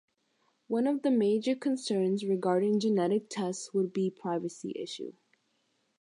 One of the major concerns regarding genetic tests would be privacy issue.